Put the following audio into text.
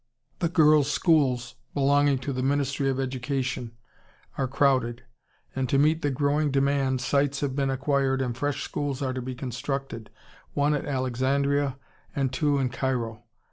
The girls' schools belonging to the Ministry of Education are crowded, and to meet the growing demand sites have been acquired and fresh schools are to be constructed, one at Alexandria and two in Cairo.